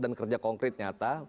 dan kerja konkret nyata